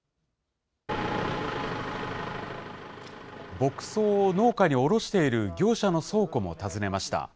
牧草を農家に卸している業者の倉庫も訪ねました。